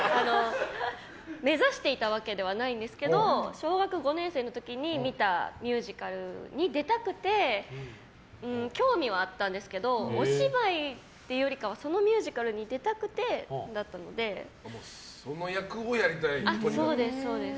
目指していたわけではないですが小学５年生の時に見たミュージカルに出たくて興味はあったんですけどお芝居というよりかはそのミュージカルに出たくてその役をやりたい、とにかく？